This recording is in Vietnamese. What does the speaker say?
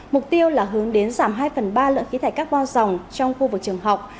mục tiêu là hướng đến giảm hai phần ba lượng khí thải carbon dòng trong khu vực trường học